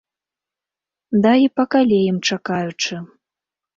Да і пакалеем чакаючы.